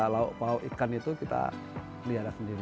lauk pauk ikan itu kita pelihara sendiri